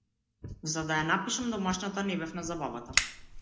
За да ја напишам домашната не бев на забавата.